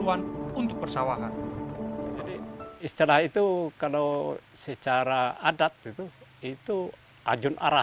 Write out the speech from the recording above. seribu sembilan ratus lima puluh an untuk persawahan istilah itu kalau secara adat itu itu ajun arah